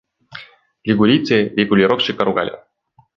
Лигурийцы регулировщика ругали.